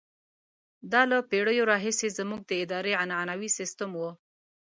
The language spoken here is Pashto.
دا له پېړیو راهیسې زموږ د ادارې عنعنوي سیستم وو.